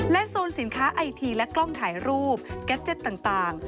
โซนสินค้าไอทีและกล้องถ่ายรูปแก๊สเจ็ตต่าง